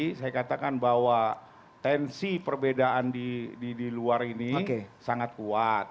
tadi saya katakan bahwa tensi perbedaan di luar ini sangat kuat